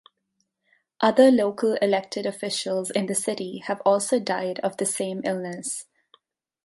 Other local elected officials in the city have also died of the same illness.